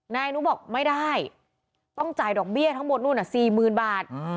นายอนุบอกไม่ได้ต้องจ่ายดอกเบี้ยทั้งหมดนู่น๔๐๐๐บาท